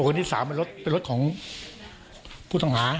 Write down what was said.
รถที่สามเป็นรถเป็นรถของผู้ธังหา